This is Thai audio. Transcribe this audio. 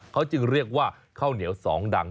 เขาจึงเรียกว่าข้าวเหนียวสองดัง